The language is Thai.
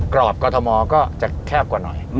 รอบกรทมก็จะแคบกว่าหน่อย